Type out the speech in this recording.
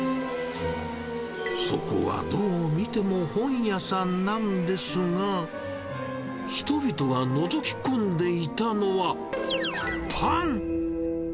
そこはどう見ても本屋さんなんですが、人々がのぞき込んでいたのは、パン。